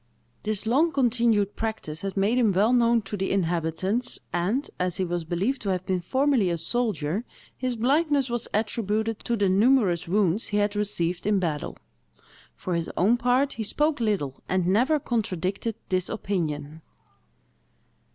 This long continued practice had made him well known to the inhabitants, and, as he was believed to have been formerly a soldier, his blindness was attributed to the numerous wounds he had received in battle. For his own part, he spoke little, and never contradicted this opinion.